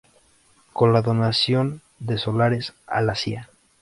Con la donación de solares a la Cía.